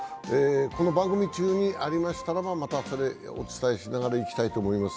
この番組中にありましたらば、またそれをお伝えしながらいきたいと思います。